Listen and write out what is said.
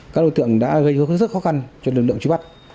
các đối tượng đã gây hướng rất khó khăn cho lực lượng truy bắt